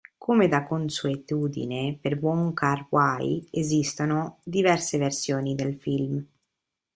Come da consuetudine per Wong Kar-wai, esistono diverse versioni del film.